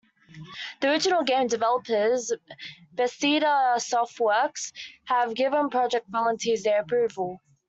The original game developers, Bethesda Softworks, have given project volunteers their approval.